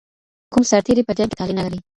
کوم سرتیري په جنګ کي طالع نه لري؟